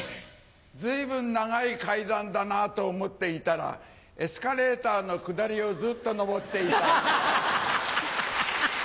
随分長い階段だなと思っていたらエスカレーターの下りをずっと上っていた。